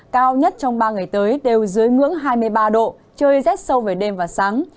cao nhất trong ba ngày tới đều dưới ngưỡng hai mươi ba độ trời rét sâu về đêm và sáng